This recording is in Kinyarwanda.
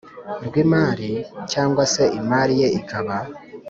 rw imari cyangwa se imari ye ikaba